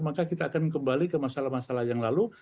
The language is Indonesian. maka kita akan kembali ke masalah masalah yang lalu